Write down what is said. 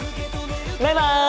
バイバイ！